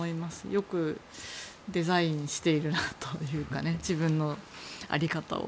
よくデザインしているなというか自分の在り方を。